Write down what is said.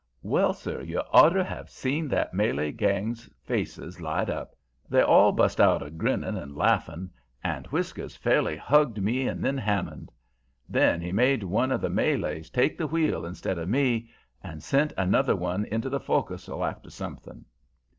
"Well, sir, you oughter have seen that Malay gang's faces light up! They all bust out a grinning and laffing, and Whiskers fairly hugged me and then Hammond. Then he made one of the Malays take the wheel instead of me, and sent another one into the fo'castle after something.